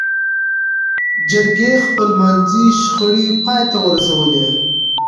جرګې خپلمنځي شخړې پای ته ورسولې.